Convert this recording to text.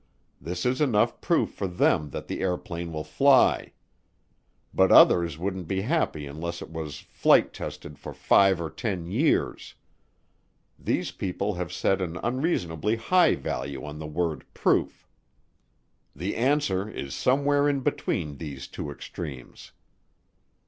This is enough proof for them that the airplane will fly. But others wouldn't be happy unless it was flight tested for five or ten years. These people have set an unreasonably high value on the word 'proof.' The answer is somewhere in between these two extremes."